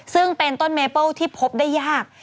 ซึ่งเป็นต้นเมเปิ้ลที่พบได้ยาก